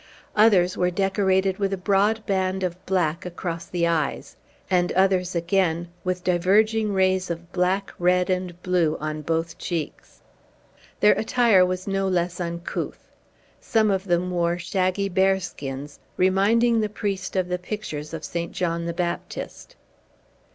Others were decorated with a broad band of black across the eyes; and others, again, with diverging rays of black, red, and blue on both cheeks. Their attire was no less uncouth. Some of them wore shaggy bear skins, reminding the priest of the pictures of St. John the Baptist.